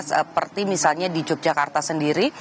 seperti misalnya di yogyakarta sendiri